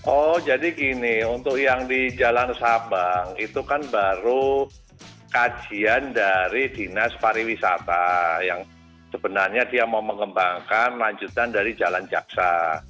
oh jadi gini untuk yang di jalan sabang itu kan baru kajian dari dinas pariwisata yang sebenarnya dia mau mengembangkan lanjutan dari jalan jaksa